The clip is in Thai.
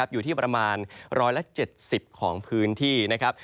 อยู่ที่ประมาณ๑๗๐ของพื้นที่นะครับ